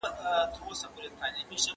څـه کـردارونـه دې کـنـځـل پـه جـــهـر